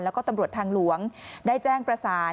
แล้วก็ตำรวจทางหลวงได้แจ้งประสาน